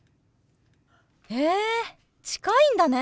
へえ近いんだね。